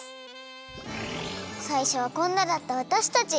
さいしょはこんなだったわたしたち。